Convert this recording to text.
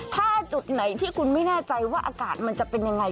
ถ้าจุดไหนที่คุณไม่แน่ใจว่าอากาศมันจะเป็นยังไง